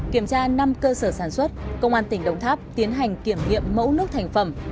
kiểm tra năm cơ sở sản xuất công an tỉnh đồng tháp tiến hành kiểm nghiệm mẫu nước thành phẩm